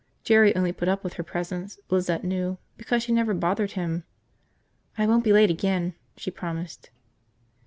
Jerry only put up with her presence, Lizette knew, because she never bothered him. "I won't be late again," she promised.